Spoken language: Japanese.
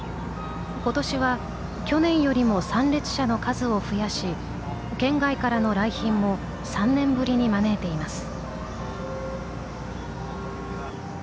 ことしは、去年よりも参列者の数を増やし県外からの来賓も３年ぶりに招いています。